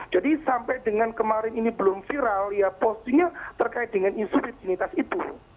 jadi sampai dengan kemarin ini belum viral ya posisinya terkait dengan insulidinitas itu